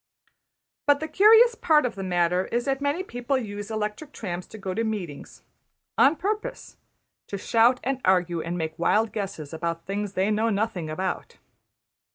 But the curious part of the matter is that many people use electric trams to go to meetings, on purpose to shout and argue and make wild guesses about things they know nothing about!